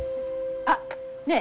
あっねえ